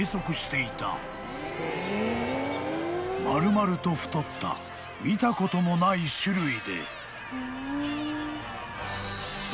［丸々と太った見たこともない種類で］